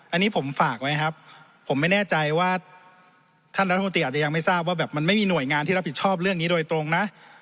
อันนี้ผมฝากไว้ครับผมไม่แน่ใจว่าท่านรัฐมนตรีอาจจะยังไม่ทราบว่าแบบมันไม่มีหน่วยงานที่รับผิดชอบเรื่องนี้โดยตรงนะ